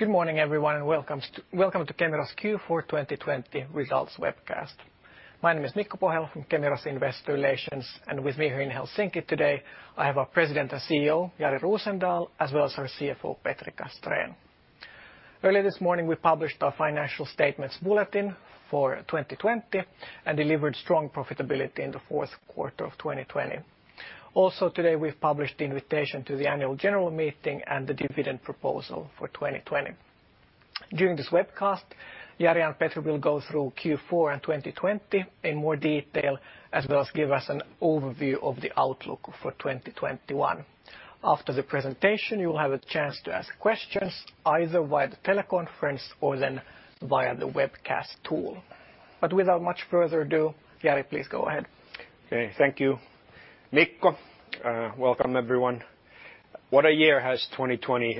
Good morning everyone. Welcome to Kemira's Q4 2020 results webcast. My name is Mikko Pohjala from Kemira's Investor Relations, and with me here in Helsinki today, I have our President and CEO, Jari Rosendal, as well as our CFO, Petri Castrén. Early this morning, we published our financial statements bulletin for 2020 and delivered strong profitability in the fourth quarter of 2020. Also today, we've published the invitation to the Annual General Meeting and the dividend proposal for 2020. During this webcast, Jari and Petri will go through Q4 and 2020 in more detail, as well as give us an overview of the outlook for 2021. After the presentation, you will have a chance to ask questions either via the teleconference or then via the webcast tool. Without much further ado, Jari, please go ahead. Okay, thank you, Mikko. Welcome everyone. What a year has 2020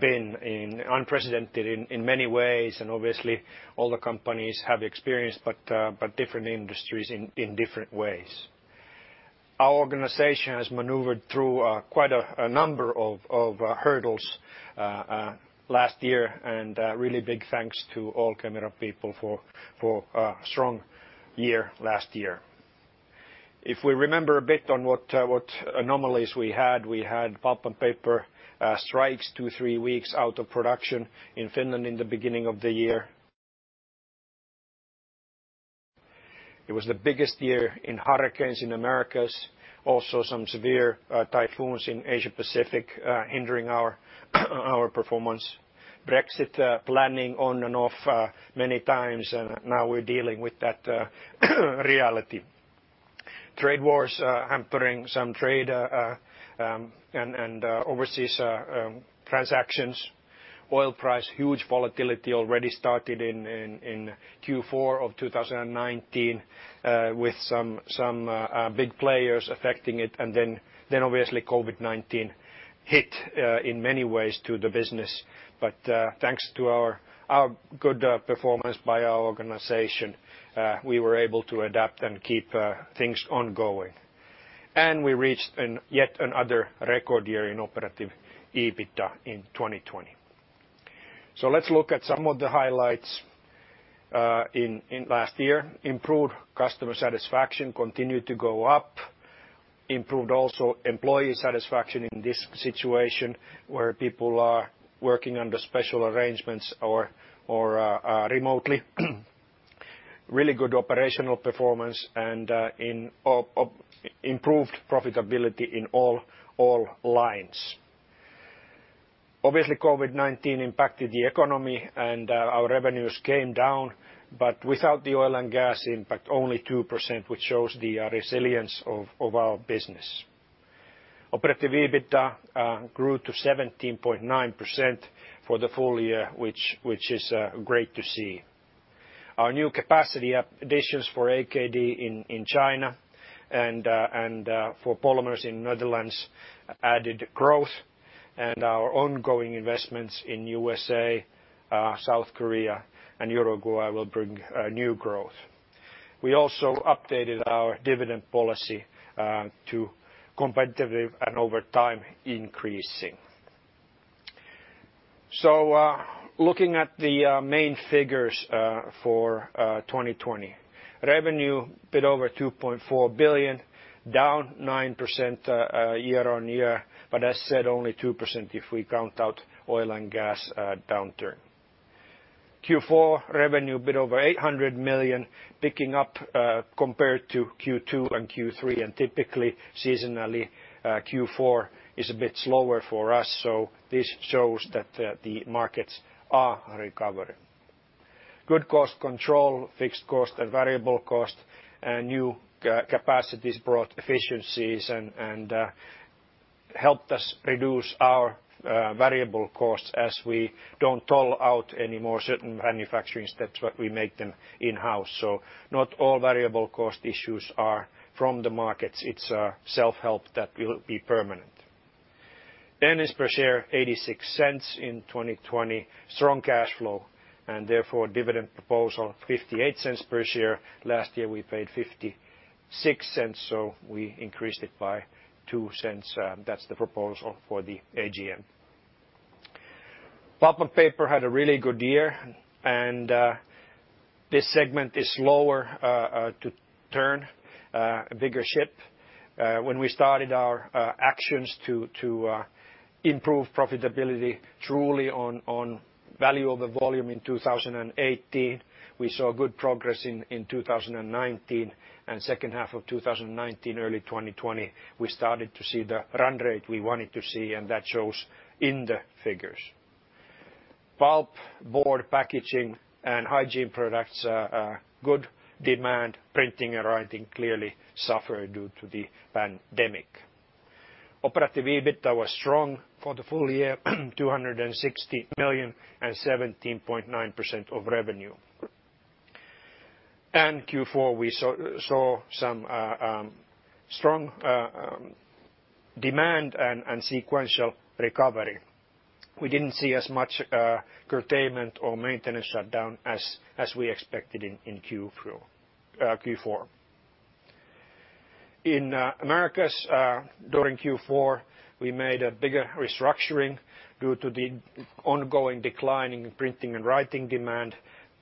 been. Unprecedented in many ways and obviously all the companies have experienced, but different industries in different ways. Our organization has maneuvered through quite a number of hurdles last year, and a really big thanks to all Kemira people for a strong year last year. If we remember a bit on what anomalies we had: we had pulp and paper strikes, two, three weeks out of production in Finland in the beginning of the year. It was the biggest year in hurricanes in Americas. Also some severe typhoons in Asia-Pacific hindering our performance. Brexit planning on and off many times, and now we're dealing with that reality. Trade wars hampering some trade and overseas transactions. Oil price, huge volatility already started in Q4 of 2019, obviously COVID-19 hit in many ways to the business. Thanks to our good performance by our organization, we were able to adapt and keep things ongoing. We reached yet another record year in operative EBITDA in 2020. Let's look at some of the highlights in last year. Improved customer satisfaction continued to go up. Improved also employee satisfaction in this situation where people are working under special arrangements or remotely. Really good operational performance and improved profitability in all lines. Obviously, COVID-19 impacted the economy and our revenues came down, but without the oil and gas impact, only 2%, which shows the resilience of our business. Operative EBITDA grew to 17.9% for the full year, which is great to see. Our new capacity additions for AKD in China and for polymers in Netherlands added growth and our ongoing investments in U.S.A., South Korea and Uruguay will bring new growth. We also updated our dividend policy to competitive and over time increasing. Looking at the main figures for 2020. Revenue a bit over 2.4 billion, down 9% year-over-year, but as said, only 2% if we count out oil and gas downturn. Q4 revenue a bit over 800 million, picking up compared to Q2 and Q3, and typically seasonally, Q4 is a bit slower for us, so this shows that the markets are recovering. Good cost control, fixed cost and variable cost, and new capacities brought efficiencies and helped us reduce our variable costs as we don't toll out any more certain manufacturing steps, but we make them in-house. Not all variable cost issues are from the markets. It's a self-help that will be permanent. Earnings per share 0.86 in 2020. Strong cash flow, therefore dividend proposal 0.58 per share. Last year we paid 0.56, we increased it by 0.02. That's the proposal for the AGM. Pulp and paper had a really good year, this segment is slower to turn a bigger ship. When we started our actions to improve profitability truly on value over volume in 2018, we saw good progress in 2019 second half of 2019, early 2020, we started to see the run rate we wanted to see, that shows in the figures. Pulp, board, packaging and hygiene products, good demand. Printing and writing clearly suffered due to the pandemic. Operative EBITDA was strong for the full year, 260 million 17.9% of revenue. Q4, we saw some strong demand and sequential recovery. We didn't see as much curtailment or maintenance shutdown as we expected in Q4. In Americas, during Q4, we made a bigger restructuring due to the ongoing decline in printing and writing demand.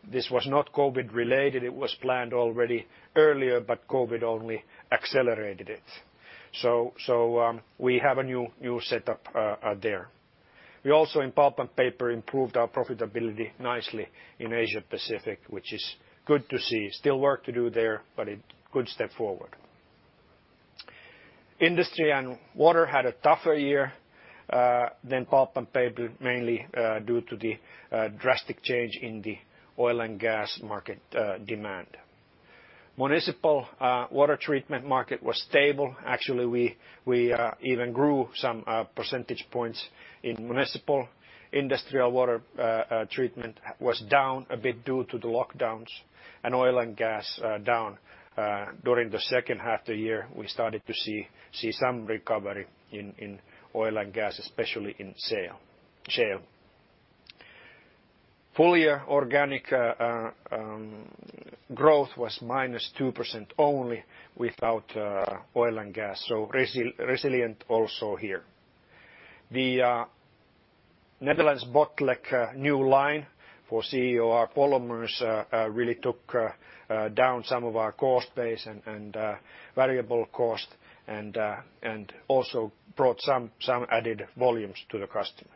This was not COVID related. It was planned already earlier, but COVID only accelerated it. We have a new setup there. We also, in pulp and paper, improved our profitability nicely in Asia Pacific, which is good to see. Still work to do there, but a good step forward. Industry & Water had a tougher year than pulp and paper, mainly due to the drastic change in the oil and gas market demand. Municipal water treatment market was stable. Actually, we even grew some percentage points in municipal. Industrial water treatment was down a bit due to the lockdowns, and oil and gas down during the second half of the year. We started to see some recovery in oil and gas, especially in shale. Full-year organic growth was -2% only without oil and gas, so resilient also here. The Netherlands Botlek new line for CEOR polymers really took down some of our cost base and variable cost, and also brought some added volumes to the customers.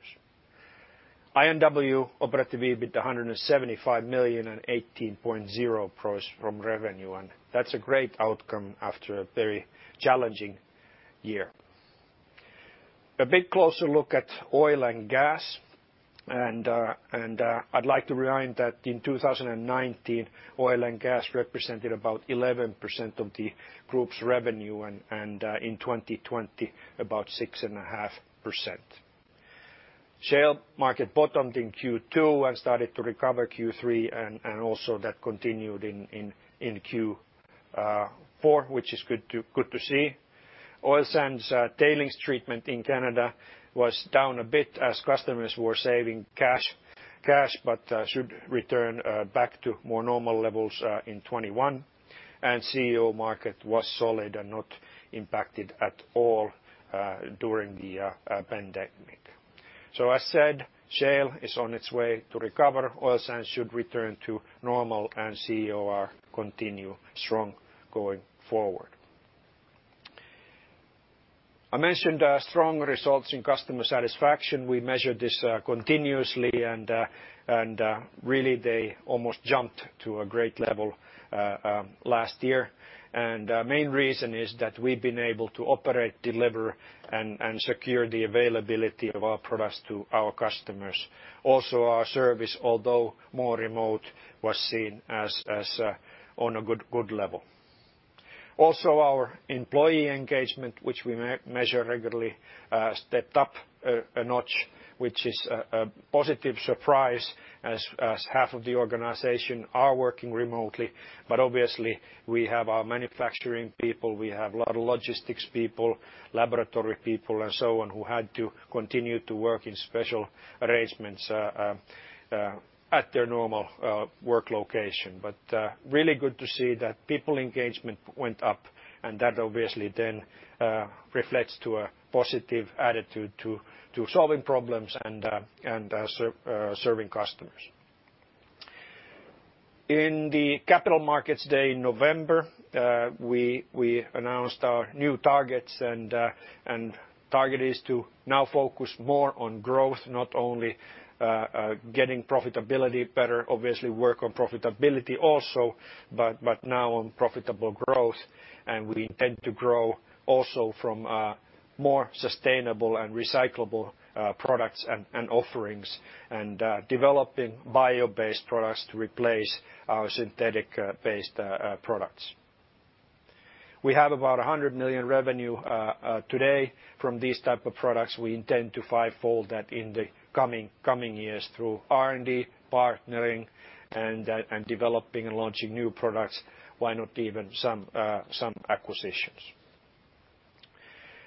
I&W operating EBITDA 175 million and 18.0% from revenue, and that's a great outcome after a very challenging year. A bit closer look at oil and gas, and I'd like to remind that in 2019, oil and gas represented about 11% of the group's revenue, and in 2020, about 6.5%. Shale market bottomed in Q2 and started to recover Q3, and also that continued in Q4, which is good to see. Oil sands tailings treatment in Canada was down a bit as customers were saving cash, should return back to more normal levels in 2021. CEOR market was solid and not impacted at all during the pandemic. As said, shale is on its way to recover, oil sands should return to normal, and CEOR continue strong going forward. I mentioned strong results in customer satisfaction. We measure this continuously and really they almost jumped to a great level last year. Main reason is that we've been able to operate, delever, and secure the availability of our products to our customers. Also our service, although more remote, was seen as on a good level. Also, our employee engagement, which we measure regularly, stepped up a notch, which is a positive surprise as half of the organization are working remotely. Obviously we have our manufacturing people, we have a lot of logistics people, laboratory people and so on, who had to continue to work in special arrangements at their normal work location. Really good to see that people engagement went up, and that obviously then reflects to a positive attitude to solving problems and serving customers. In the Capital Markets Day in November, we announced our new targets, and target is to now focus more on growth, not only getting profitability better, obviously work on profitability also, but now on profitable growth. We intend to grow also from more sustainable and recyclable products and offerings, and developing bio-based products to replace our synthetic-based products. We have about 100 million revenue today from these type of products. We intend to fivefold that in the coming years through R&D, partnering, and developing and launching new products. Why not even some acquisitions.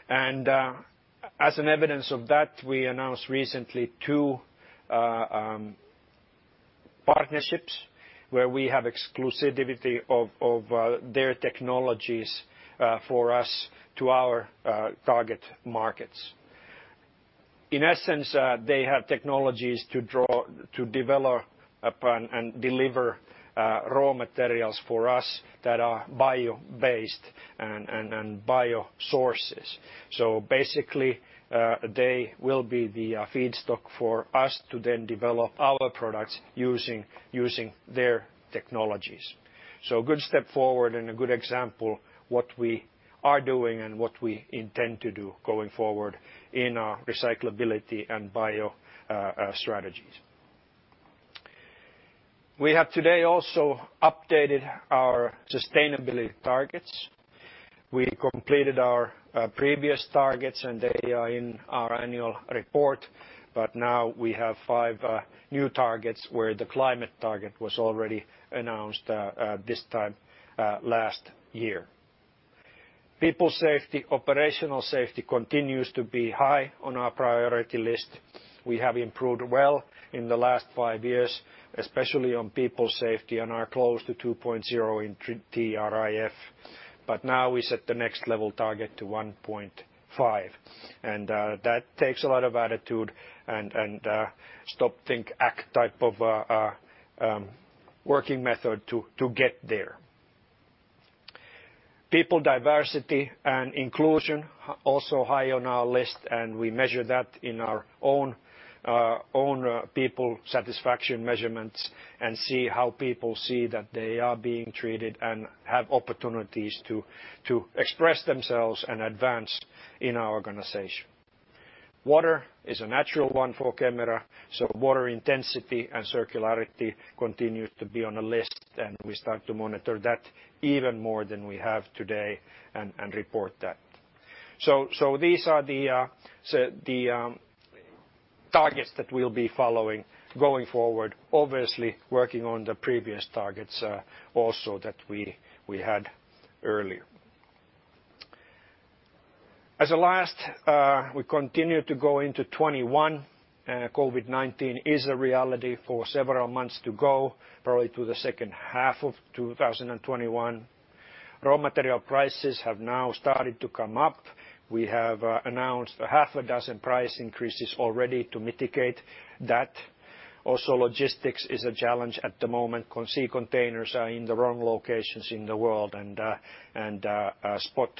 As an evidence of that, we announced recently two partnerships where we have exclusivity of their technologies for us to our target markets. In essence, they have technologies to develop and deliver raw materials for us that are bio-based and bio-sources. Basically, they will be the feedstock for us to then develop our products using their technologies. A good step forward and a good example what we are doing and what we intend to do going forward in our recyclability and bio strategies. We have today also updated our sustainability targets. We completed our previous targets, and they are in our annual report. Now we have five new targets where the climate target was already announced this time last year. People safety, operational safety continues to be high on our priority list. We have improved well in the last five years, especially on people safety, and are close to 2.0 in TRIF. Now we set the next level target to 1.5, and that takes a lot of attitude and a stop, think, act type of working method to get there. People diversity and inclusion, also high on our list, and we measure that in our own people satisfaction measurements and see how people see that they are being treated and have opportunities to express themselves and advance in our organization. Water is a natural one for Kemira, water intensity and circularity continues to be on the list, and we start to monitor that even more than we have today and report that. These are the targets that we'll be following going forward. Obviously, we are working on the previous targets also that we had earlier. As a last, we continue to go into 2021. COVID-19 is a reality for several months to go, probably to the second half of 2021. Raw material prices have now started to come up. We have announced half a dozen price increases already to mitigate that. Logistics is a challenge at the moment. Sea containers are in the wrong locations in the world, and spot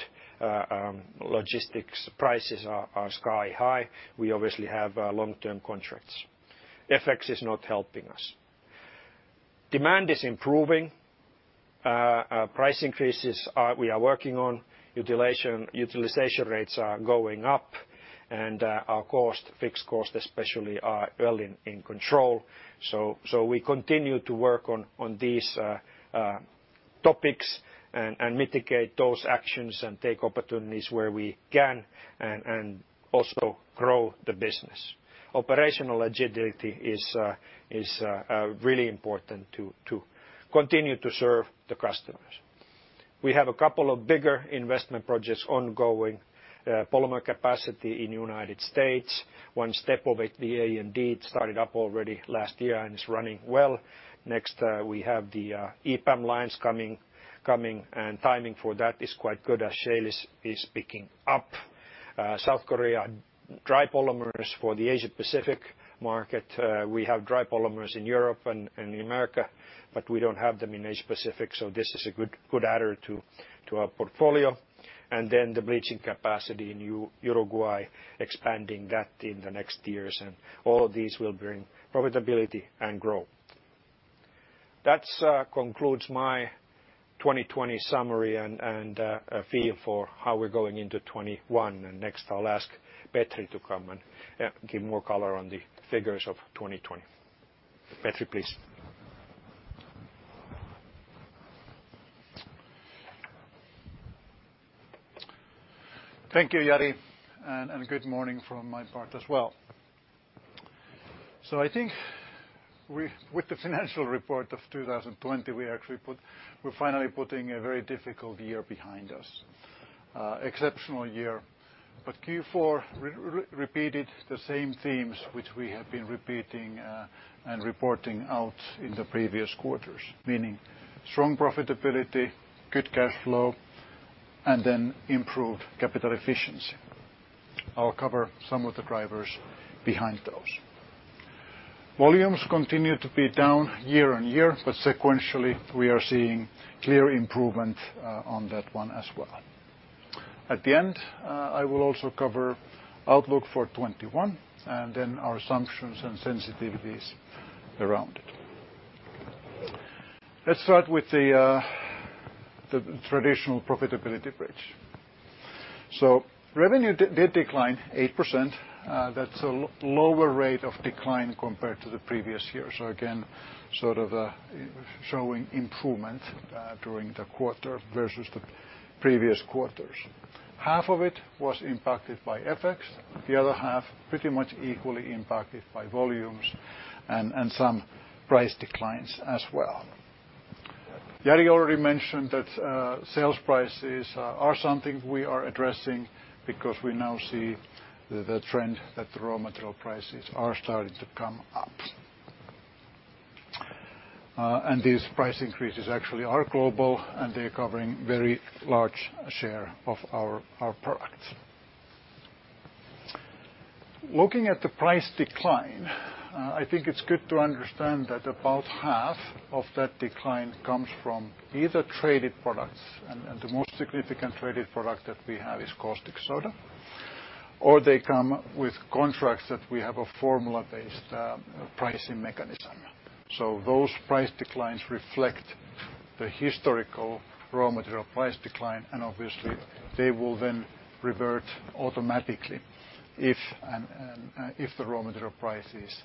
logistics prices are sky high. We obviously have long-term contracts. FX is not helping us. Demand is improving. Price increases, we are working on. Utilization rates are going up, and our fixed costs especially are well in control. We continue to work on these topics and mitigate those actions and take opportunities where we can and also grow the business. Operational agility is really important to continue to serve the customers. We have a couple of bigger investment projects ongoing. Polymer capacity in the United States, one step of it, the AMD, started up already last year and is running well. We have the EPAM lines coming, and timing for that is quite good as shale is picking up. South Korea dry polymers for the Asia-Pacific market. We have dry polymers in Europe and in America, we don't have them in Asia-Pacific, this is a good adder to our portfolio. The bleaching capacity in Uruguay, expanding that in the next years. All of these will bring profitability and growth. That concludes my 2020 summary and a feel for how we're going into 2021. I'll ask Petri to come and give more color on the figures of 2020. Petri, please. Thank you, Jari. Good morning from my part as well. I think with the financial report of 2020, we're finally putting a very difficult year behind us. Exceptional year, Q4 repeated the same themes which we have been repeating and reporting out in the previous quarters, meaning strong profitability, good cash flow, improved capital efficiency. I'll cover some of the drivers behind those. Volumes continue to be down year-on-year, sequentially, we are seeing clear improvement on that one as well. At the end, I will also cover outlook for 2021, our assumptions and sensitivities around it. Let's start with the traditional profitability bridge. Revenue did decline 8%. That's a lower rate of decline compared to the previous year. Again, sort of showing improvement during the quarter versus the previous quarters. Half of it was impacted by FX. The other half, pretty much equally impacted by volumes and some price declines as well. Jari already mentioned that sales prices are something we are addressing because we now see the trend that the raw material prices are starting to come up. These price increases actually are global, and they're covering very large share of our products. Looking at the price decline, I think it's good to understand that about half of that decline comes from either traded products, and the most significant traded product that we have is caustic soda, or they come with contracts that we have a formula-based pricing mechanism. Those price declines reflect the historical raw material price decline, and obviously, they will then revert automatically if the raw material prices increase,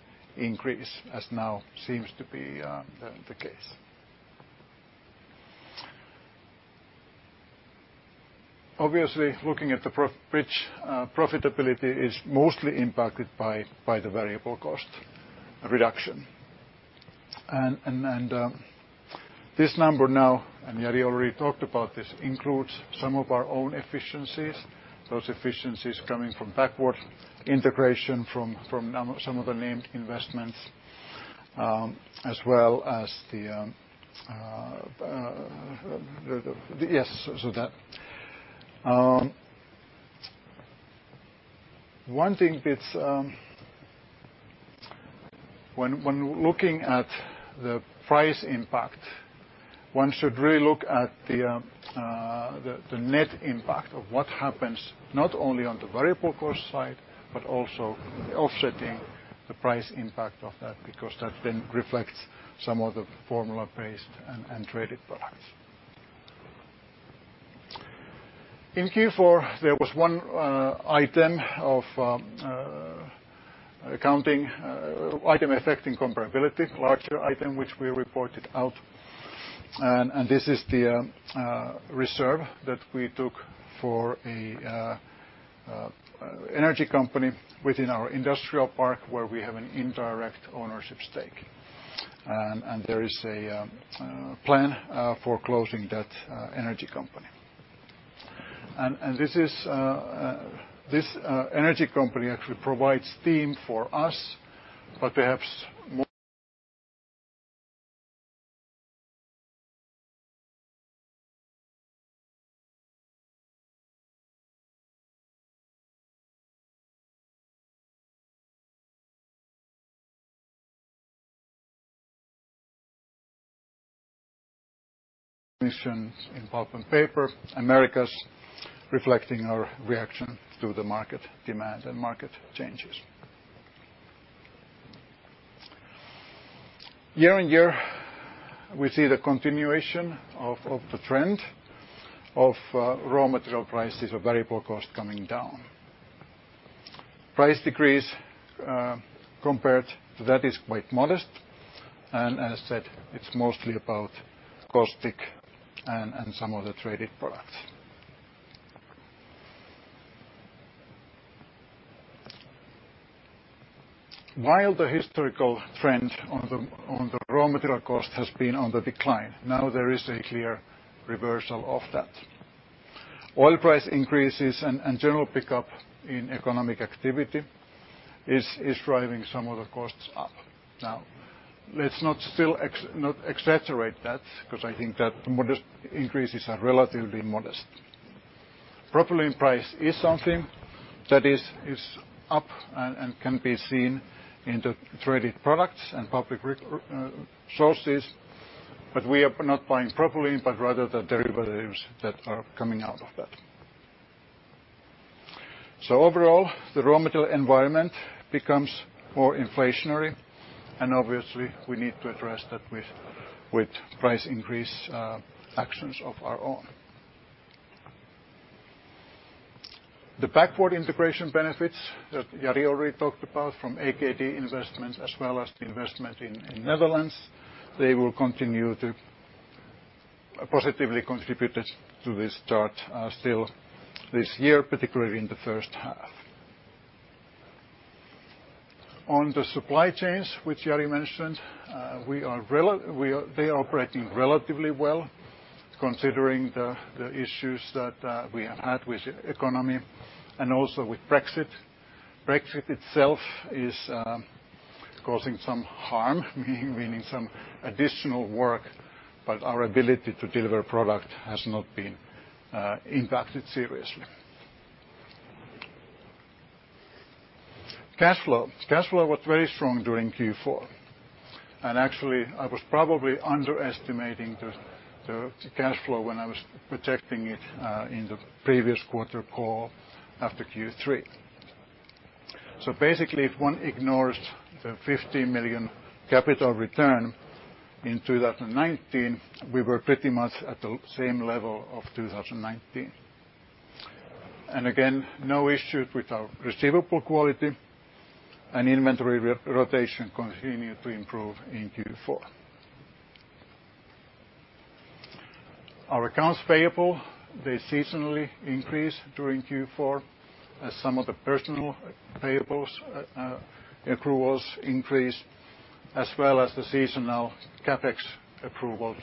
as now seems to be the case. Obviously, looking at the bridge, profitability is mostly impacted by the variable cost reduction. This number now, and Jari already talked about this, includes some of our own efficiencies, those efficiencies coming from backward integration from some of the named investments. One thing, when looking at the price impact, one should really look at the net impact of what happens not only on the variable cost side, but also offsetting the price impact of that, because that then reflects some of the formula-based and traded products. In Q4, there was one item affecting comparability, larger item, which we reported out. This is the reserve that we took for an energy company within our industrial park where we have an indirect ownership stake. There is a plan for closing that energy company. This energy company actually provides steam for us, but perhaps emissions in pulp and paper, Americas reflecting our reaction to the market demand and market changes. Year on year, we see the continuation of the trend of raw material prices of variable cost coming down. Price decrease compared to that is quite modest, and as I said, it's mostly about caustic and some of the traded products. While the historical trend on the raw material cost has been on the decline, there is a clear reversal of that. Oil price increases and general pickup in economic activity is driving some of the costs up. Let's not exaggerate that because I think that modest increases are relatively modest. Propylene price is something that is up and can be seen in the traded products and public sources, but we are not buying propylene, but rather the derivatives that are coming out of that. Overall, the raw material environment becomes more inflationary and obviously we need to address that with price increase actions of our own. The backward integration benefits that Jari already talked about from AKD investments as well as the investment in Netherlands, they will continue to positively contribute to this chart still this year, particularly in the first half. On the supply chains, which Jari mentioned, they are operating relatively well considering the issues that we have had with economy and also with Brexit. Brexit itself is causing some harm, meaning some additional work, but our ability to deliver product has not been impacted seriously. Cash flow. Cash flow was very strong during Q4. Actually, I was probably underestimating the cash flow when I was projecting it in the previous quarter call after Q3. Basically, if one ignores the 50 million capital return in 2019, we were pretty much at the same level of 2019. Again, no issues with our receivable quality and inventory rotation continued to improve in Q4. Our accounts payable, they seasonally increase during Q4 as some of the personal payables accruals increase as well as the seasonal CapEx approval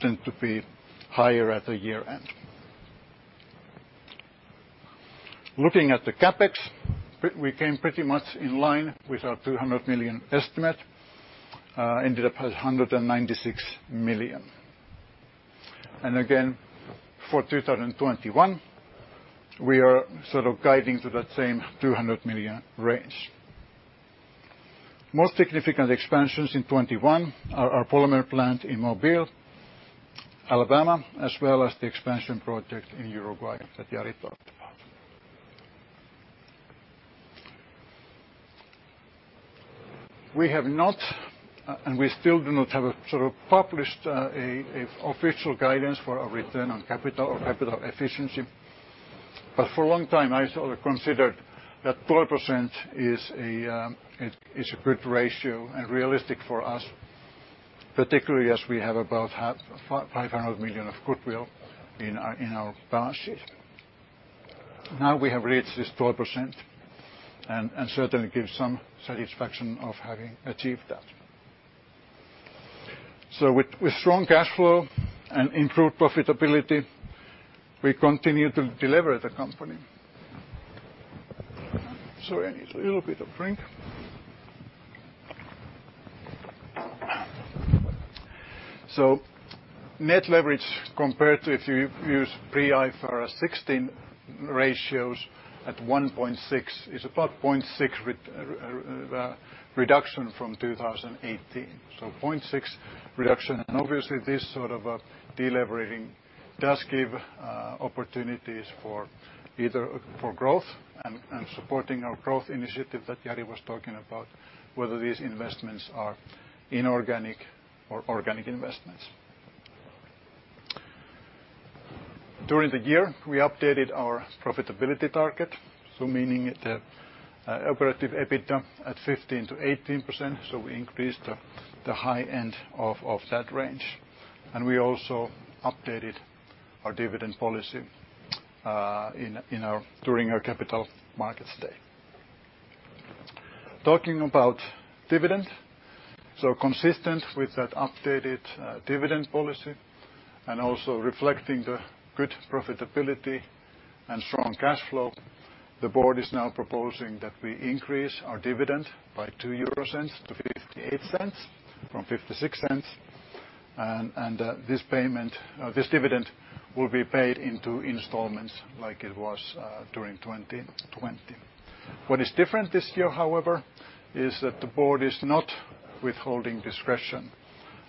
tend to be higher at the year-end. Looking at the CapEx, we came pretty much in line with our 200 million estimate, ended up at 196 million. Again, for 2021, we are guiding to that same 200 million range. Most significant expansions in 2021 are our polymer plant in Mobile, Alabama, as well as the expansion project in Uruguay that Jari talked about. We have not, and we still do not have a published official guidance for our return on capital or capital efficiency. For a long time, I sort of considered that 12% is a good ratio and realistic for us, particularly as we have about 500 million of goodwill in our balance sheet. Now we have reached this 12%, and certainly gives some satisfaction of having achieved that. With strong cash flow and improved profitability, we continue to deliver the company. Sorry, I need a little bit of drink. Net leverage compared to if you use pre IFRS 16 ratios at 1.6x is about 0.6x reduction from 2018. 0.6x reduction, and obviously this sort of a deleveraging does give opportunities for either for growth and supporting our growth initiative that Jari was talking about, whether these investments are inorganic or organic investments. During the year, we updated our profitability target, meaning the operative EBITDA at 15%-18%. We increased the high end of that range. We also updated our dividend policy during our Capital Markets Day. Talking about dividend, consistent with that updated dividend policy and also reflecting the good profitability and strong cash flow, the board is now proposing that we increase our dividend by 0.02 to 0.58 from 0.56. This dividend will be paid in two installments like it was during 2020. What is different this year, however, is that the board is not withholding discretion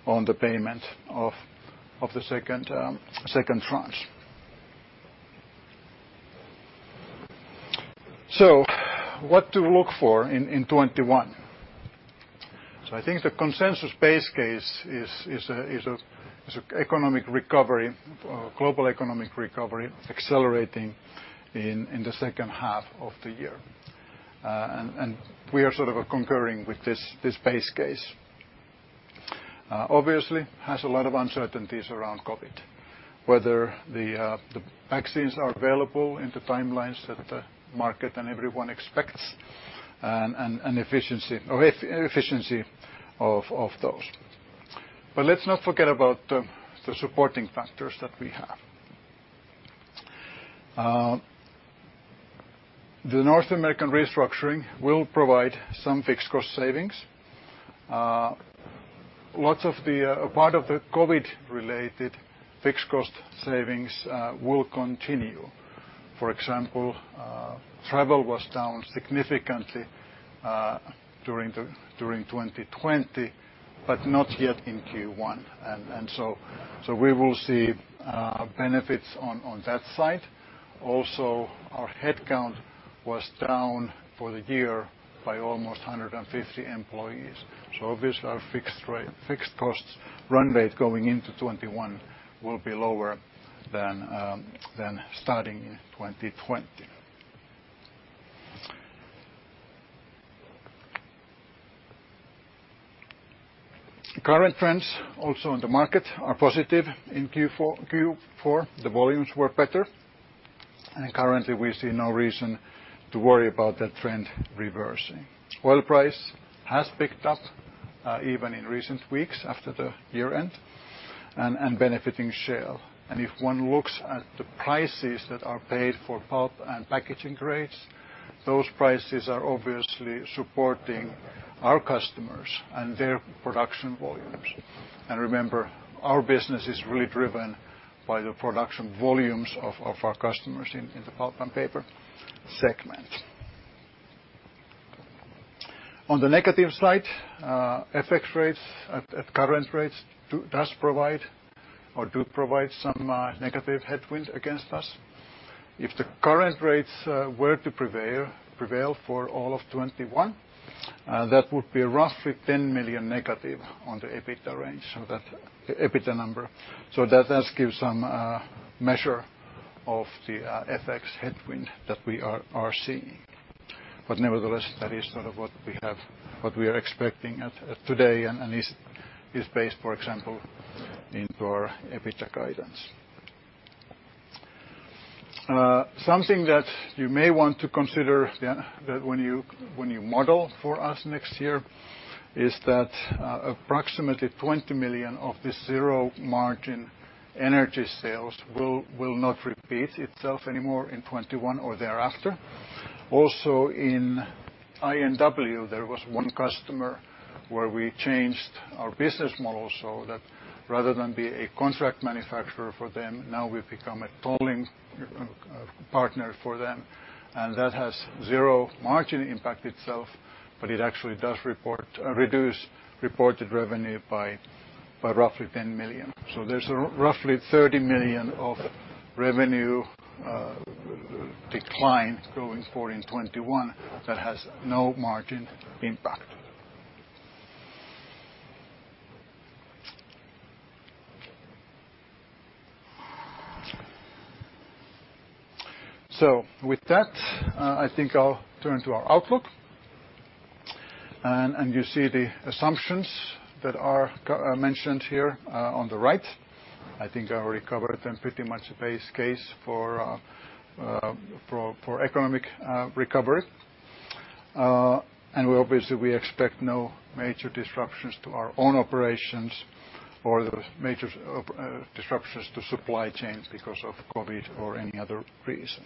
on the payment of the second tranche. What to look for in 2021? I think the consensus base case is economic recovery, global economic recovery accelerating in the second half of the year. We are sort of concurring with this base case. Obviously, has a lot of uncertainties around COVID, whether the vaccines are available in the timelines that the market and everyone expects, and efficiency of those. Let's not forget about the supporting factors that we have. The North American restructuring will provide some fixed cost savings. A part of the COVID-related fixed cost savings will continue. For example, travel was down significantly during 2020, but not yet in Q1. We will see benefits on that side. Also, our headcount was down for the year by almost 150 employees. Obviously, our fixed costs run rate going into 2021 will be lower than starting 2020. Current trends also in the market are positive. In Q4, the volumes were better, and currently we see no reason to worry about that trend reversing. Oil price has picked up even in recent weeks after the year end and benefiting shale. If one looks at the prices that are paid for pulp and packaging grades, those prices are obviously supporting our customers and their production volumes. Remember, our business is really driven by the production volumes of our customers in the pulp and paper segment. On the negative side, FX rates at current rates does provide or do provide some negative headwinds against us. If the current rates were to prevail for all of 2021, that would be roughly -10 million on the EBITDA range, so that EBITDA number. That does give some measure of the FX headwind that we are seeing. Nevertheless, that is sort of what we are expecting today and is based, for example, into our EBITDA guidance. Something that you may want to consider that when you model for us next year is that approximately 20 million of this zero margin energy sales will not repeat itself anymore in 2021 or thereafter. In I&W, there was one customer where we changed our business model so that rather than be a contract manufacturer for them, now we've become a tolling partner for them. That has zero margin impact itself, but it actually does reduce reported revenue by roughly 10 million. There's roughly 30 million of revenue decline going forward in 2021 that has no margin impact. With that, I think I'll turn to our outlook You see the assumptions that are mentioned here on the right. I think I already covered them pretty much base case for economic recovery. Obviously, we expect no major disruptions to our own operations or major disruptions to supply chains because of COVID or any other reason.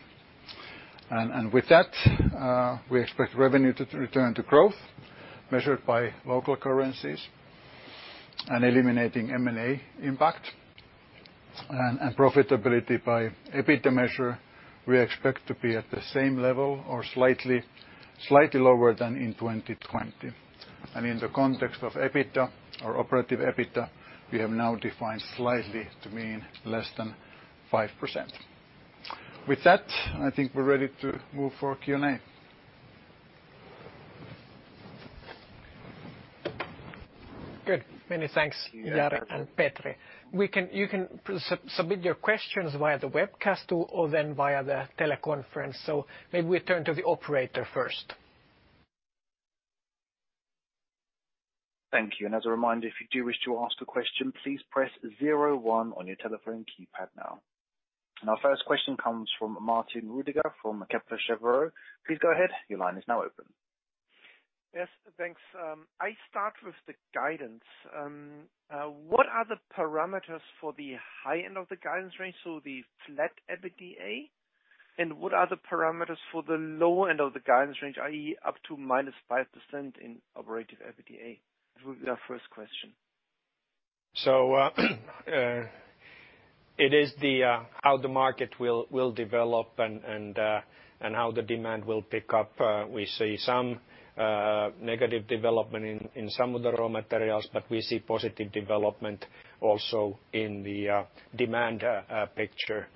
With that, we expect revenue to return to growth measured by local currencies and eliminating M&A impact. Profitability by EBITDA measure, we expect to be at the same level or slightly lower than in 2020. In the context of EBITDA or operative EBITDA, we have now defined slightly to mean less than 5%. With that, I think we're ready to move for Q&A. Good. Many thanks, Jari and Petri. You can submit your questions via the webcast or then via the teleconference. Maybe we turn to the operator first. Thank you. As a reminder, if you do wish to ask a question, please press zero one on your telephone keypad now. Our first question comes from Martin Roediger from Kepler Cheuvreux. Please go ahead. Your line is now open. Yes, thanks. I start with the guidance. What are the parameters for the high end of the guidance range, so the flat EBITDA? What are the parameters for the low end of the guidance range, i.e., up to -5% in operative EBITDA? That would be our first question. It is the how the market will develop and how the demand will pick up. We see some negative development in some of the raw materials, but we see positive development also in the demand picture.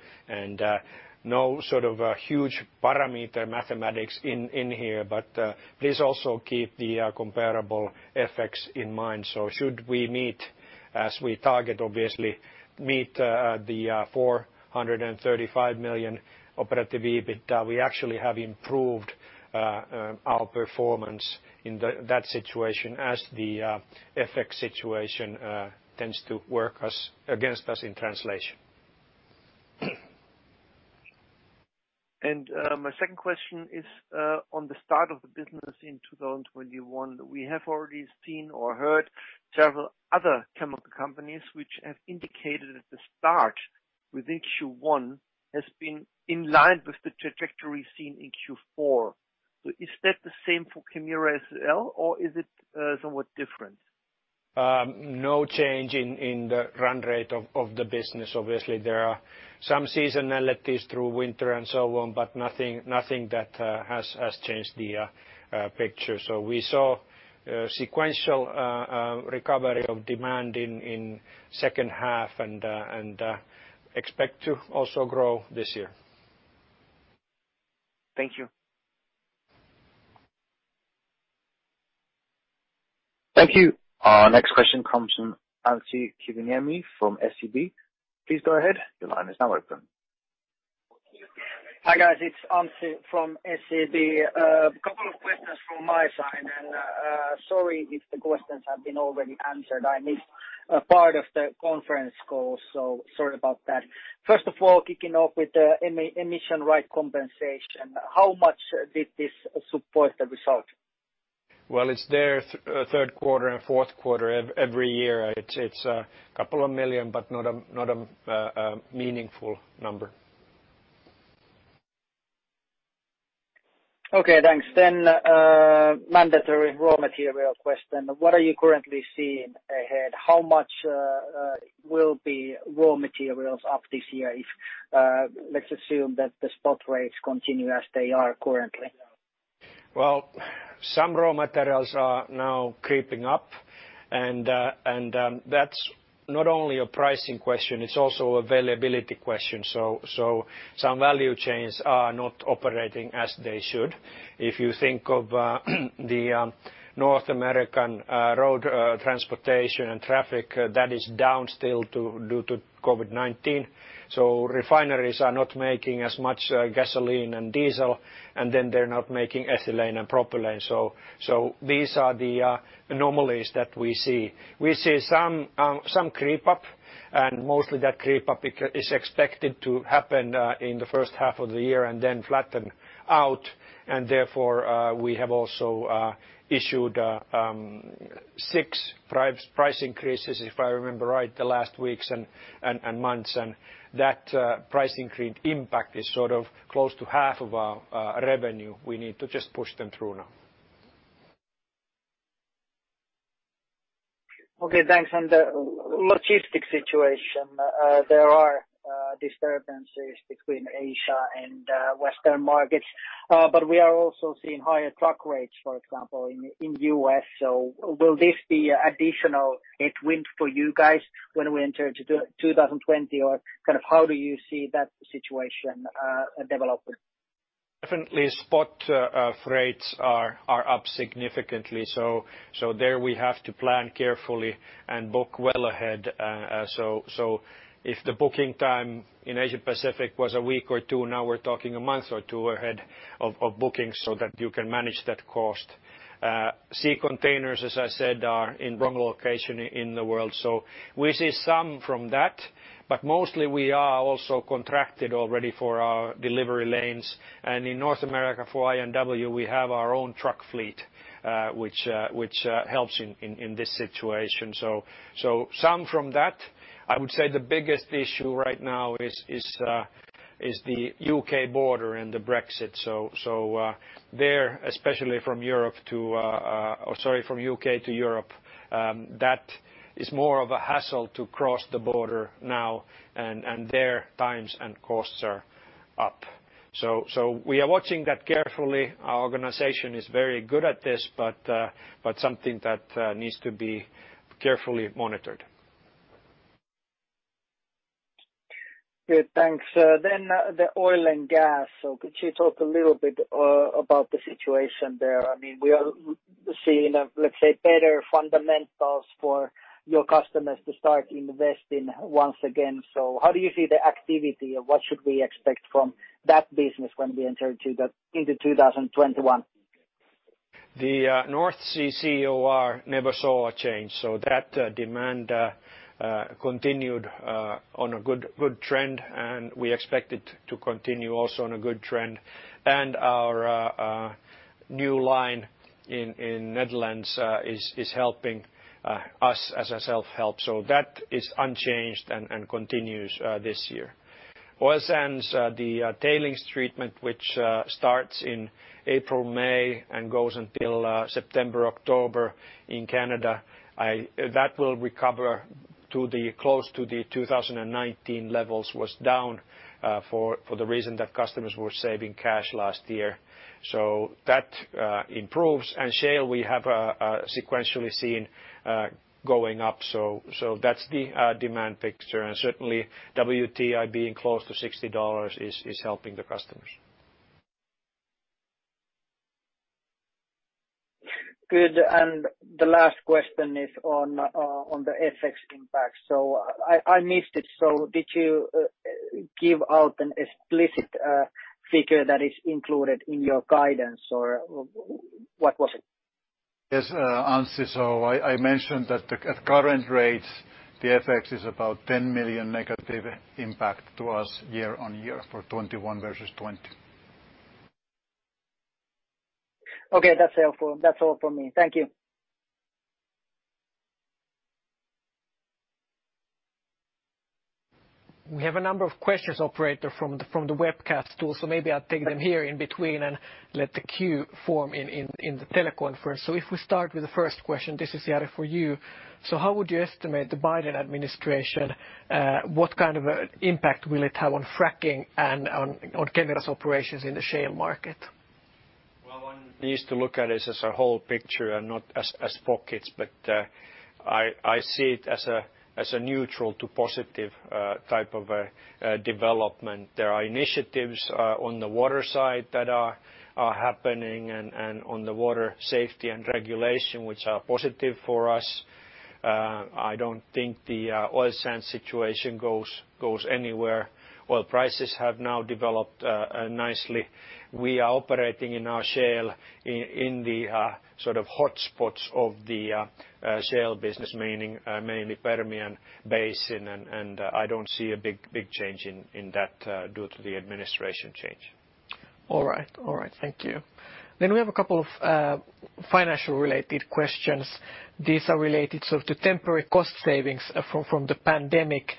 No sort of huge parameter mathematics in here, but please also keep the comparable FX in mind. Should we meet as we target, obviously, meet the 435 million operative EBITDA? We actually have improved our performance in that situation as the FX situation tends to work against us in translation. My second question is on the start of the business in 2021. We have already seen or heard several other chemical companies which have indicated at the start within Q1 has been in line with the trajectory seen in Q4. Is that the same for Kemira as well, or is it somewhat different? No change in the run rate of the business. Obviously, there are some seasonalities through winter and so on, but nothing that has changed the picture. We saw sequential recovery of demand in second half and expect to also grow this year. Thank you. Thank you. Our question comes from Anssi Kiviniemi from SEB. Please go ahead. Your line is now open. Hi, guys. It's Anssi from SEB. A couple of questions from my side, and sorry if the questions have been already answered. I missed a part of the conference call, so sorry about that. First of all, kicking off with the emission right compensation. How much did this support the result? Well, it's the third quarter and fourth quarter every year. It's a couple of million, but not a meaningful number. Okay, thanks. Mandatory raw material question. What are you currently seeing ahead? How much will be raw materials up this year if let's assume that the spot rates continue as they are currently? Well, some raw materials are now creeping up, and that's not only a pricing question, it's also availability question. Some value chains are not operating as they should. If you think of the North American road transportation and traffic, that is down still due to COVID-19. Refineries are not making as much gasoline and diesel, and then they're not making ethylene and propylene. These are the anomalies that we see. We see some creep up, and mostly that creep up is expected to happen in the first half of the year and then flatten out, and therefore, we have also issued six price increases, if I remember right, the last weeks and months. That price increase impact is sort of close to half of our revenue. We need to just push them through now. Okay, thanks. On the logistics situation, there are disturbances between Asia and Western markets, but we are also seeing higher truck rates, for example, in the U.S. Will this be additional headwind for you guys when we enter 2020? Kind of how do you see that situation developing? Definitely spot freights are up significantly. There we have to plan carefully and book well ahead. If the booking time in Asia Pacific was a week or two, now we're talking a month or two ahead of bookings so that you can manage that cost. Sea containers, as I said, are in the wrong location in the world. We see some from that, but mostly we are also contracted already for our delivery lanes. In North America for I&W, we have our own truck fleet, which helps in this situation. Some from that, I would say the biggest issue right now is the U.K. border and the Brexit. There, especially from U.K. to Europe, that is more of a hassle to cross the border now and there times and costs are up. We are watching that carefully. Our organization is very good at this, but something that needs to be carefully monitored. Good, thanks. The oil and gas. Could you talk a little bit about the situation there? We are seeing, let's say, better fundamentals for your customers to start investing once again. How do you see the activity, and what should we expect from that business when we enter into 2021? The North Sea CEOR never saw a change. That demand continued on a good trend, and we expect it to continue also on a good trend. Our new line in Netherlands is helping us as a self-help. That is unchanged and continues this year. Oil sands, the tailings treatment, which starts in April, May, and goes until September, October in Canada, that will recover close to the 2019 levels. Was down for the reason that customers were saving cash last year. That improves. Shale, we have sequentially seen going up. That's the demand picture, and certainly WTI being close to $60 is helping the customers. Good. The last question is on the FX impact. I missed it. Did you give out an explicit figure that is included in your guidance, or what was it? Yes, Anssi, I mentioned that at current rates, the FX is about -10 million impact to us year-on-year for 2021 versus 2020. Okay, that's all from me. Thank you. We have a number of questions, operator, from the webcast tool. Maybe I'll take them here in between and let the queue form in the teleconference. If we start with the first question, this is, Jari, for you. How would you estimate the Biden administration, what kind of impact will it have on fracking and on Kemira's operations in the shale market? Well, one needs to look at it as a whole picture and not as pockets, but I see it as a neutral to positive type of a development. There are initiatives on the water side that are happening and on the water safety and regulation, which are positive for us. I don't think the oil sands situation goes anywhere. Oil prices have now developed nicely. We are operating in our shale in the sort of hotspots of the shale business, meaning mainly Permian Basin, and I don't see a big change in that due to the administration change. All right. Thank you. We have a couple of financial related questions. These are related to temporary cost savings from the pandemic.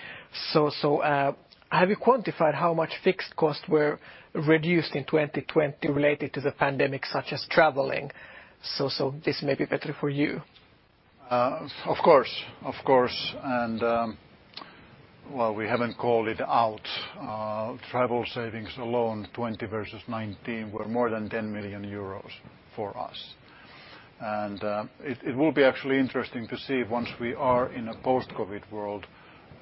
Have you quantified how much fixed costs were reduced in 2020 related to the pandemic, such as traveling? This may be better for you. Of course. While we haven't called it out, travel savings alone 2020 versus 2019 were more than 10 million euros for us. It will be actually interesting to see once we are in a post-COVID world,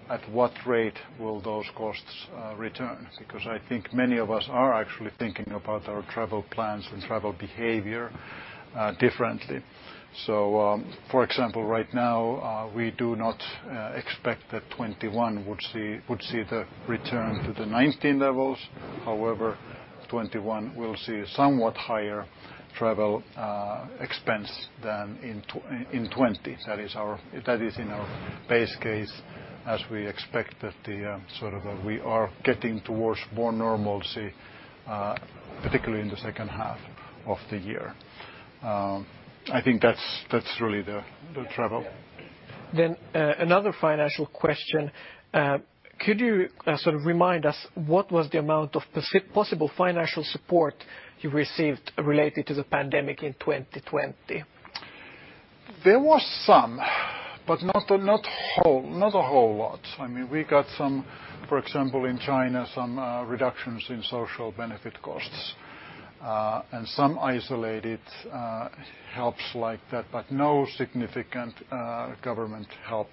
at what rate will those costs return, because I think many of us are actually thinking about our travel plans and travel behavior differently. For example, right now, we do not expect that 2021 would see the return to the 2019 levels. However, 2021 will see a somewhat higher travel expense than in 2020. That is in our base case as we expect that we are getting towards more normalcy, particularly in the second half of the year. I think that's really the travel. Another financial question. Could you sort of remind us what was the amount of possible financial support you received related to the pandemic in 2020? There was some, but not a whole lot. We got some, for example, in China, some reductions in social benefit costs, and some isolated helps like that, but no significant government help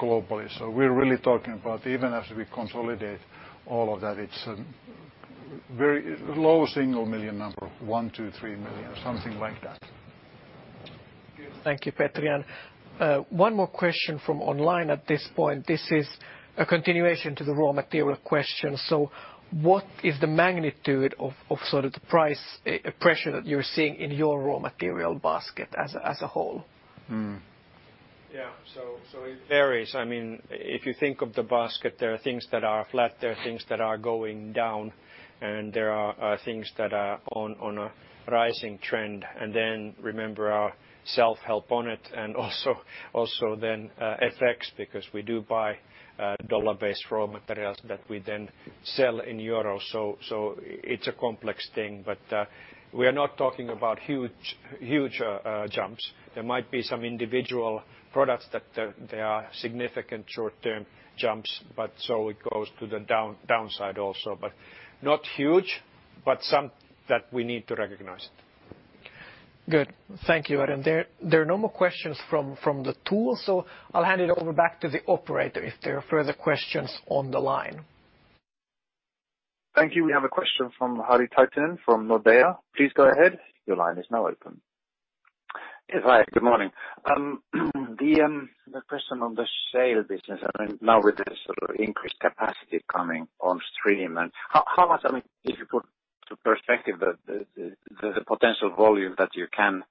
globally. We're really talking about even as we consolidate all of that. Very low single million number, 1 million, 2 million, 3 million, something like that. Thank you, Petri. One more question from online at this point. This is a continuation to the raw material question. What is the magnitude of the price pressure that you're seeing in your raw material basket as a whole? Yeah. It varies. If you think of the basket, there are things that are flat, there are things that are going down, and there are things that are on a rising trend. Then remember our self-help on it and also then FX, because we do buy dollar-based raw materials that we then sell in euro. It's a complex thing, but we are not talking about huge jumps. There might be some individual products that there are significant short-term jumps, but it goes to the downside also, but not huge, but some that we need to recognize. Good. Thank you, Jari. There are no more questions from the tool, so I'll hand it over back to the operator if there are further questions on the line. Thank you. We have a question from Harri Taittonen from Nordea. Please go ahead. Your line is now open. Yes. Hi, good morning. The question on the shale business, now with this increased capacity coming on stream, how much, if you put to perspective the potential volume that you can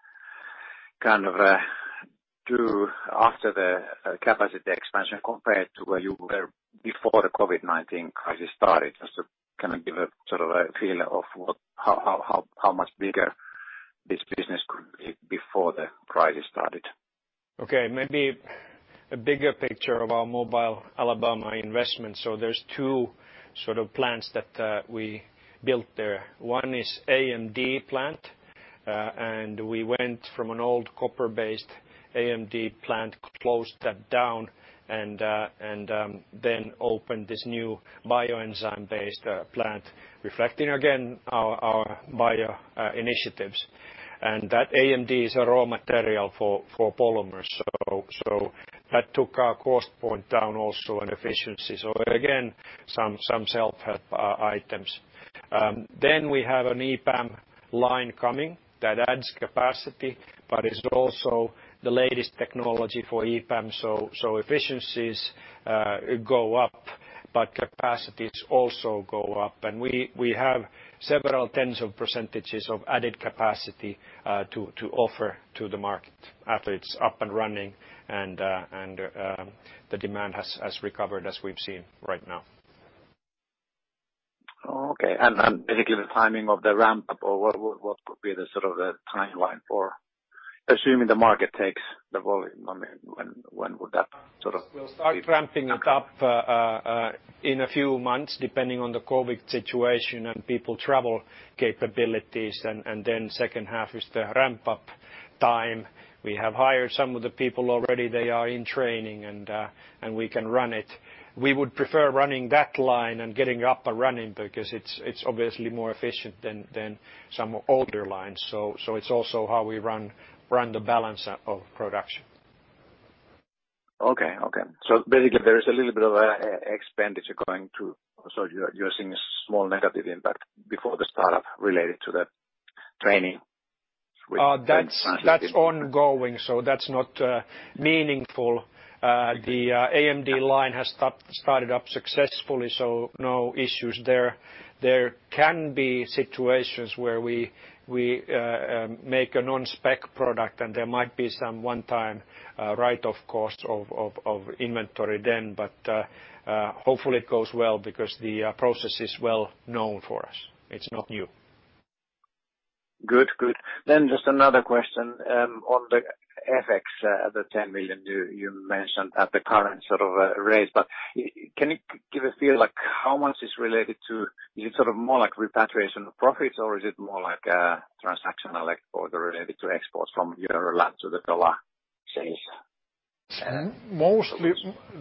do after the capacity expansion compared to where you were before the COVID-19 crisis started, just to give a feel of how much bigger this business could be before the crisis started? Okay, maybe a bigger picture of our Mobile Alabama investment. There's two plants that we built there. One is AMD plant, and we went from an old copper-based AMD plant, closed that down, and then opened this new bio-enzyme-based plant, reflecting again our bio initiatives. That AMD is a raw material for polymers. That took our cost point down also on efficiency. Again, some self-help items. We have an EPAM line coming that adds capacity, but it's also the latest technology for EPAM. Efficiencies go up, but capacities also go up, and we have several tens of percentages of added capacity to offer to the market after it's up and running and the demand has recovered, as we've seen right now. Okay. Basically the timing of the ramp-up, or what could be the timeline for assuming the market takes the volume, when would that- We'll start ramping it up in a few months, depending on the COVID situation and people travel capabilities, and then second half is the ramp-up time. We have hired some of the people already. They are in training, and we can run it. We would prefer running that line and getting it up and running because it's obviously more efficient than some older lines. It's also how we run the balance of production. Okay. Basically, there is a little bit of expenditure. You're seeing a small negative impact before the startup related to the training. That's ongoing, so that's not meaningful. The AMD line has started up successfully, so no issues there. There can be situations where we make a non-spec product, and there might be some one-time write-off cost of inventory then. Hopefully it goes well because the process is well-known for us. It's not new. Good. Just another question on the FX, the 10 million you mentioned at the current rates. Can you give a feel, how much is it more like repatriation of profits, or is it more like a transactional export related to exports from your lab to the dollar change?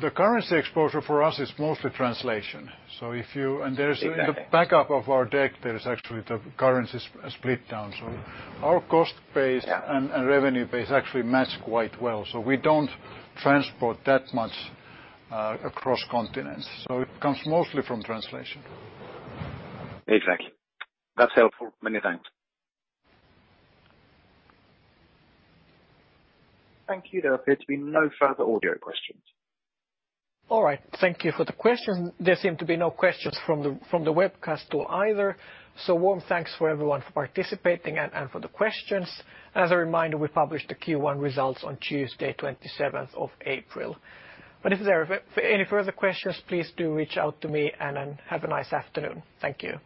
The currency exposure for us is mostly translation. Exactly. There is in the backup of our deck, there is actually the currency split down. So our cost base and. Yeah. The revenue base actually match quite well. We don't transport that much across continents. It comes mostly from translation. Exactly. That's helpful. Many thanks. Thank you. There appear to be no further audio questions. All right. Thank you for the question. There seem to be no questions from the webcast tool either. Warm thanks for everyone for participating and for the questions. As a reminder, we publish the Q1 results on Tuesday, 27th of April. If there are any further questions, please do reach out to me, and have a nice afternoon. Thank you.